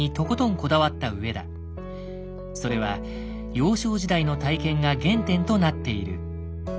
それは幼少時代の体験が原点となっている。